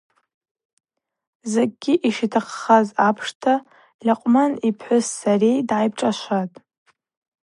Закӏгьи, йшитахъдзаз апшта Льакъвман йпхӏвыс сарей дгӏайпшӏашватӏ.